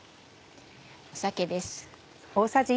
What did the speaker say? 酒です。